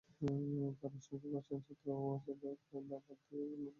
তাঁরা আশঙ্কা করছেন, কর্তৃপক্ষ ছাত্রাবাস বাদ দিয়ে সেখানে অন্য কোনো প্রকল্প করবে।